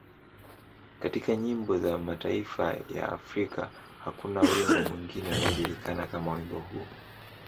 Katika nyimbo za mataifa ya Afrika, hakuna wimbo mwingine unaojulikana kama wimbo huo.